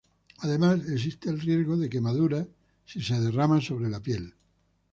Además existe el riesgo de quemadura si se derrama sobre la piel.